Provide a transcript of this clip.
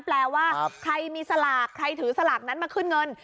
แปลว่าใครมีสลากใครถือสลากนั้นมาขึ้นเงิน